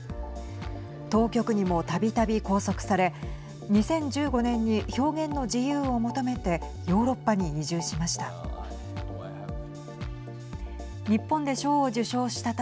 当局にも、たびたび拘束され２０１５年に表現の自由を求めてヨーロッパに移住しました。